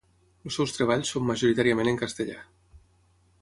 Els seus treballs són majoritàriament en castellà.